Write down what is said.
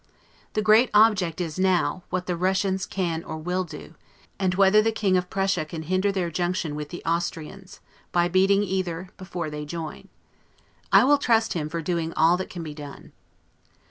The great object is now, what the Russians can or will do; and whether the King of Prussia can hinder their junction with the Austrians, by beating either, before they join. I will trust him for doing all that can be done.